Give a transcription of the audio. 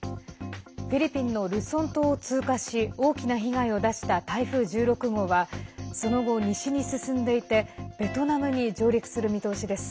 フィリピンのルソン島を通過し大きな被害を出した台風１６号はその後、西に進んでいてベトナムに上陸する見通しです。